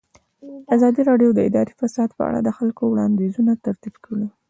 ازادي راډیو د اداري فساد په اړه د خلکو وړاندیزونه ترتیب کړي.